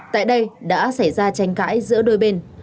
tại đây đã xảy ra tranh cãi giữa đôi bên